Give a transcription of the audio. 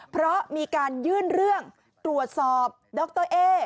เพราะมีการยื่นเรื่องตรวจสอบดรเอ๊